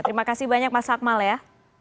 terima kasih banyak mas akmal ya